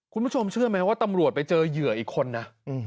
คุณผู้ชมเชื่อไหมว่าตำรวจไปเจอเหยื่ออีกคนนะ